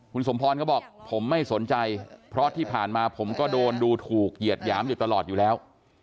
คุณสมพรก็บอกผมไม่สนใจเพราะที่ผ่านมาผมก็โดนดูถูกเหยียดหยามอยู่ตลอดอยู่แล้ว